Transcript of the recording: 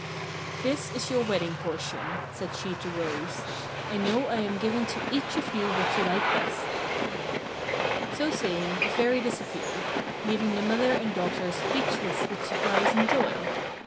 "This is your wedding portion," said she to Rose. "I know I am giving to each of you what you like best." So saying the Fairy disappeared, leaving the mother and daughters speechless with surprise and joy.